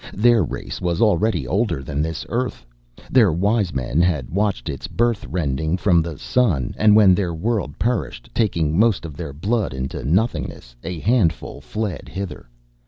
Their race was already older than this earth. Their wise men had watched its birth rending from the sun. And when their world perished, taking most of their blood into nothingness, a handful fled hither.